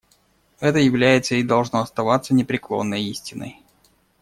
Это является и должно оставаться непреклонной истиной.